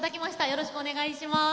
よろしくお願いします。